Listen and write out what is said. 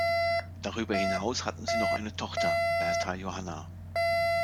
Darüber hinaus hatten sie noch eine Tochter Berta Johanna.